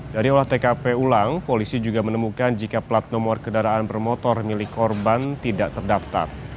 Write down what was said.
dari olah tkp ulang polisi juga menemukan jika plat nomor kendaraan bermotor milik korban tidak terdaftar